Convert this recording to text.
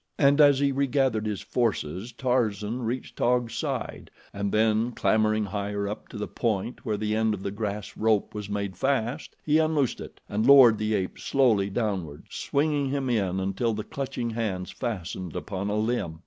And as he regathered his forces, Tarzan reached Taug's side, and then clambering higher up to the point where the end of the grass rope was made fast, he unloosed it and lowered the ape slowly downward, swinging him in until the clutching hands fastened upon a limb.